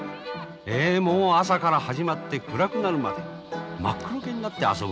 ええもう朝から始まって暗くなるまで真っ黒けになって遊ぶのであります。